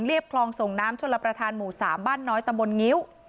เรียบคลองส่งน้ำชนลประทานหมู่สามบ้านน้อยตะมนต์เงิ้ล